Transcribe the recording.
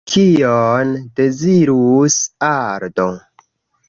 Kion dezirus Aldo?